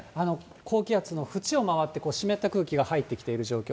高気圧の縁を回って湿った空気が入ってきている状況。